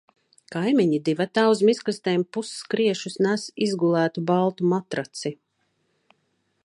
Kaimiņi divatā uz miskastēm pusskriešus nes izgulētu baltu matraci.